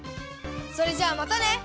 それじゃあまたね！